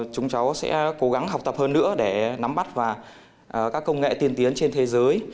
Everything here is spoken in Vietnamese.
chúng cháu sẽ cố gắng học tập hơn nữa để nắm bắt và các công nghệ tiên tiến trên thế giới